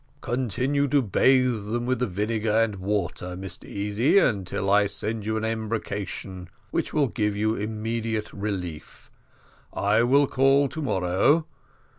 "Continue to bathe them with the vinegar and water, Mr Easy, until I send you an embrocation, which will give you immediate relief. I will call tomorrow.